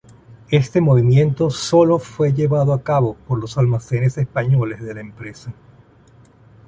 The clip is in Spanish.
Este movimiento sólo fue llevado a cabo por los almacenes españoles de la empresa.